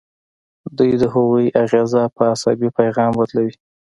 دوی د هغوی اغیزه په عصبي پیغام بدلوي.